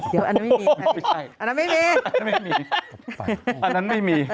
เดี๋ยวอันนั้นไม่มีอันนั้นไม่มี